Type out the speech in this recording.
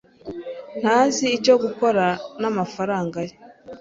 Ntazi icyo gukora namafaranga ye.